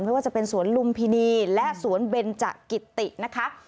ไม่ว่าจะเป็นสวนลุมพินีและสวนเบนจกิตินะคะ